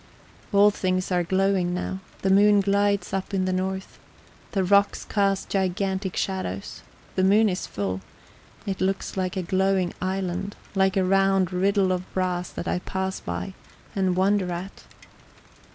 All things are glooming now. The moon glides up in the north; the rocks cast gigantic shadows. The moon is full; it looks like a glowing island, like a round riddle of brass that I pass by and wonder at.